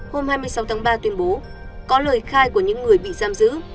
hôm hai mươi sáu tháng ba tuyên bố có lời khai của những người bị giam giữ